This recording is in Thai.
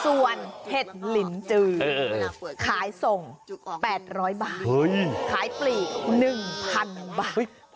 ส่วนเห็ดลินจือขายส่ง๘๐๐บาทขายปลีก๑๐๐๐บาท